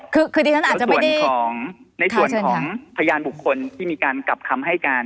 คือดิฉันอาจจะไม่ได้ของในส่วนของพยานบุคคลที่มีการกลับคำให้การ